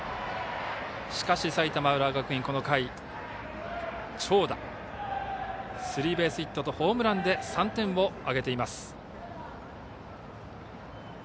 しかし、埼玉・浦和学院この回、長打スリーベースヒットとホームランで３点を挙げています。